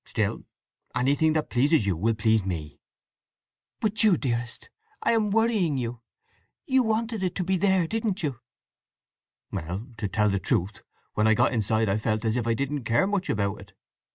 Still, anything that pleases you will please me." "But Jude, dearest, I am worrying you! You wanted it to be there, didn't you?" "Well, to tell the truth, when I got inside I felt as if I didn't care much about it.